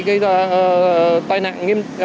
gây ra tai nạn